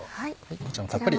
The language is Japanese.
こちらもたっぷり。